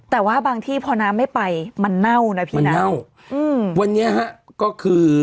แต่ว่าบางที่พอน้ำไม่ไปมันเน่านะพี่เน่าอืมวันนี้ฮะก็คือ